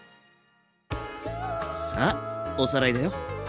さあおさらいだよ。